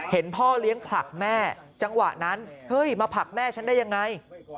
พ่อเลี้ยงผลักแม่จังหวะนั้นเฮ้ยมาผลักแม่ฉันได้ยังไง